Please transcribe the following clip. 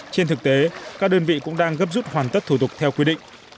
trên thực tế các đơn vị cũng đang gấp rút hoàn tất thủ tục theo quy định